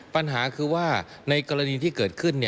ปัญหาคือว่าในกรณีที่เกิดขึ้น